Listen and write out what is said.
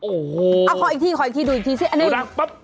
โอ้โฮคุณไม่พิสูจน์ใช่ไหมครับ